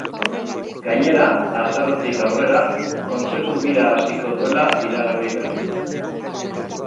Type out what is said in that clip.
Gainera, azarotik aurrera, kontzertu bira hasiko duela iragarri berri du.